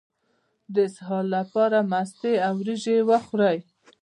د اسهال لپاره مستې او وریجې وخورئ